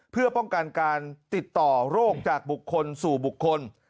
เพื่อป้องกันการติดต่อโรคจากบุคคลสู่บุคคล